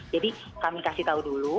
jadi kami kasih tahu dulu